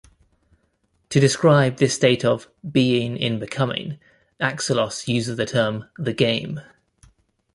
To describe this state of "being-in-becoming," Axelos uses the term "the game.